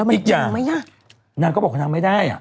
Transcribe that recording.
อีกอย่างนางก็บอกว่านางไม่ได้อ่ะ